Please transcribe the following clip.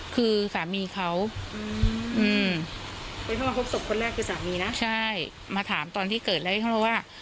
คือสามีเขาอืมเป็นที่มาพบศพคนแรกคือสามีนะใช่มาถามตอนที่เกิดแล้วให้เขารู้ว่า